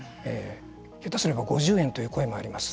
下手すれば５０円という声があります。